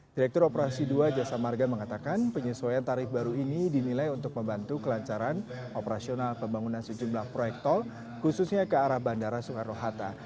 direktur operasi dua jasa marga mengatakan penyesuaian tarif baru ini dinilai untuk membantu kelancaran operasional pembangunan sejumlah proyek tol khususnya ke arah bandara soekarno hatta